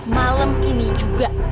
malam ini juga